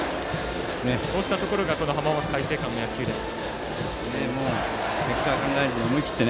こうしたところが浜松開誠館の野球です。